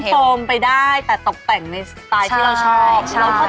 โซมไปได้แต่ตกแต่งในสไตล์ที่เราชอบ